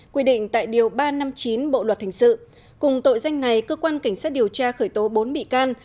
quy định tại điều ba trăm năm mươi chín bộ luật hình sự cùng tội danh này cơ quan cảnh sát điều tra khởi tố bốn bị can